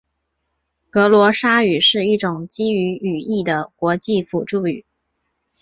格罗沙语是一种基于语义的国际辅助语。